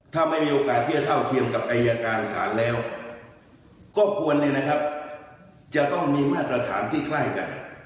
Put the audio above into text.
ถ้าไม่มีโอกาสที่จะเท่าเทียมกับอายการศาลแล้วก็ควรจะต้องมีมาตรฐานที่ใกล้กัน